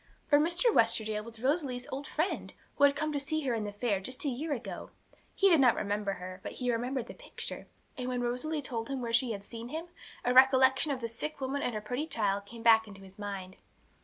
For Mr. Westerdale was Rosalie's old friend, who had come to see her in the fair, just a year ago. He did not remember her, but he remembered the picture; and when Rosalie told him where she had seen him, a recollection of the sick woman and her pretty child came back to his mind.